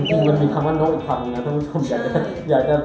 จริงมันมีคำว่านกอีกคำนึงนะทั่วค่ะ